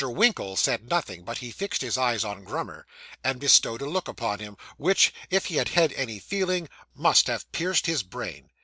Winkle said nothing, but he fixed his eyes on Grummer, and bestowed a look upon him, which, if he had had any feeling, must have pierced his brain.